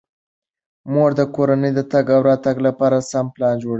مور د کورنۍ د تګ او راتګ لپاره سم پلان جوړوي.